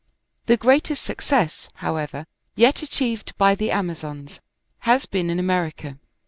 The greatest success, however, yet achieved by "The Amazons," has been in America.